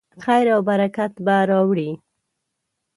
خیر او برکت به راوړي.